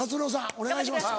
お願いします。